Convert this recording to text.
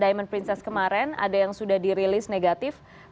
diamond princess kemarin ada yang sudah dirilis negatif tapi kemudian di mana